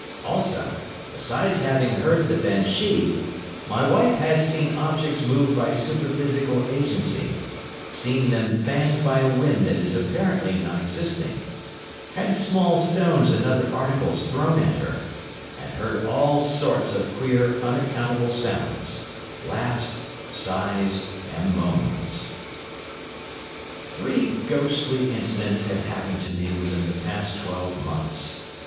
Also, besides having heard the banshee, my wife has seen objects moved by superphysical agency, seen them fanned by a wind that is apparently non existing, had small stones and other articles thrown at her, and heard all sorts of queer, unaccountable sounds—laughs, sighs, and moans. Three ghostly incidents have happened to me within the past twelve months.